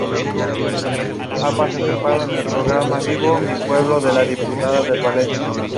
Aun así en muchos casos la planta agroindustrial trabaja solo parte del año.